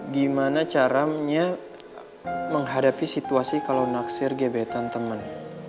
gimana caranya menghadapi situasi kalau naksir gebetan teman